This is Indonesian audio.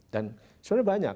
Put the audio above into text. dan sebenarnya banyak